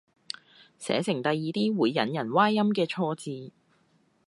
寫成第二啲會引人歪音嘅錯字